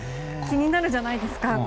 気になるじゃないですか。